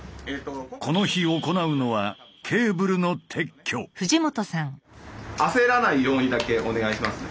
この日行うのは焦らないようにだけお願いしますね。